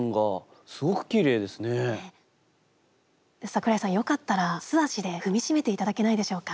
櫻井さんよかったら素足で踏み締めて頂けないでしょうか。